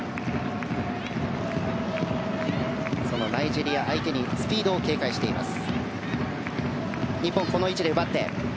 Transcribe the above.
そのナイジェリア相手にスピードを警戒しています。